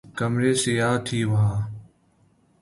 کمریں سیاہ تھیں وہاں